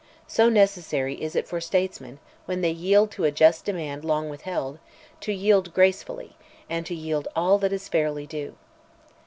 So necessary is it for statesmen, when they yield to a just demand long withheld, to yield gracefully and to yield all that is fairly due.